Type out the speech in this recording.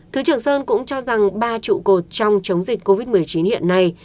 thứ trưởng sơn cũng cho rằng ba trụ cột trong chống dịch covid một mươi chín hiện nay